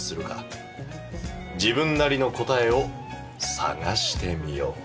自分なりの答えを探してみよう。